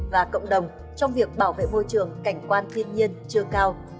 và cộng đồng trong việc bảo vệ môi trường cảnh quan thiên nhiên chưa cao